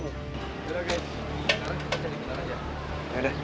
yaudah guys sekarang kita cari kinar aja